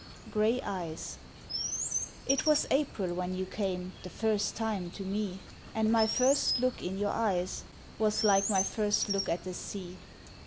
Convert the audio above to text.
Gray Eyes It was April when you came The first time to me, And my first look in your eyes Was like my first look at the sea.